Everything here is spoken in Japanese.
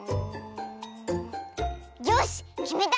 よしきめた！